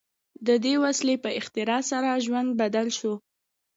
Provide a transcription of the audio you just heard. د دې وسیلې په اختراع سره ژوند بدل شو.